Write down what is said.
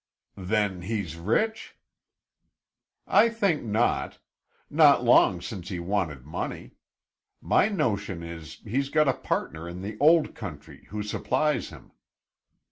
"Then, he's rich?" "I think not. Not long since he wanted money. My notion is, he's got a partner in the Old Country who supplies him.